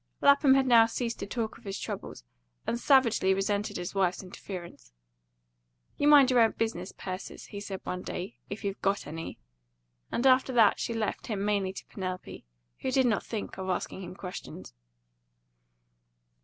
Lapham had now ceased to talk of his troubles, and savagely resented his wife's interference. "You mind your own business, Persis," he said one day, "if you've got any;" and after that she left him mainly to Penelope, who did not think of asking him questions.